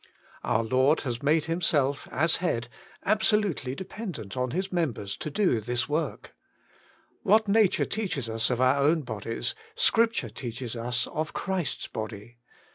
Our Lord has made Himself, as Head, ab solutely dependent on His members to do 88 Working for God this work. What nature teaches us of our own bodies, Scripture teaches us of Christ's body.